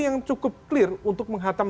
yang cukup clear untuk menghatam